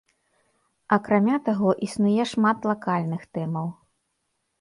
Акрамя таго, існуе шмат лакальных тэмаў.